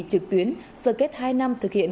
trực tuyến sơ kết hai năm thực hiện